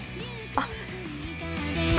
あっ